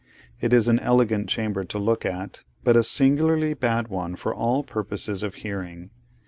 It is an elegant chamber to look at, but a singularly bad one for all purposes of hearing.